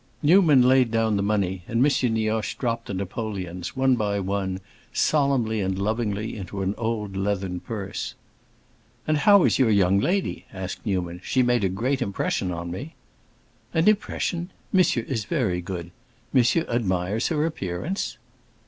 Newman laid down the money, and M. Nioche dropped the napoleons one by one, solemnly and lovingly, into an old leathern purse. "And how is your young lady?" asked Newman. "She made a great impression on me." "An impression? Monsieur is very good. Monsieur admires her appearance?"